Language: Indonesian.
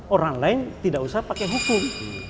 orang lain tidak usah pakai hukum